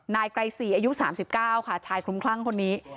นายไกรศรีอายุ๓๙ค่ะชายคลุมคลั่งคนนี้